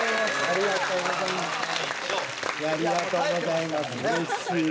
ありがとうございますうれしい。